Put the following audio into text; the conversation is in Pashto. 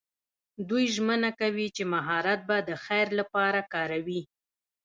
دوی ژمنه کوي چې مهارت به د خیر لپاره کاروي.